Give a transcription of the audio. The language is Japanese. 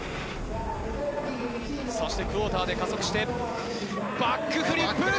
クォーターで加速して、バックフリップ。